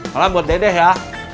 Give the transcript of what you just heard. salam buat dede ya